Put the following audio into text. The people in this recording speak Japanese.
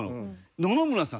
野々村さん